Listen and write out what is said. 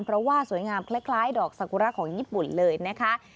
เพราะว่าสวยงามคล้ายดอกสากุระของญี่ปุ่นเลยนะคะ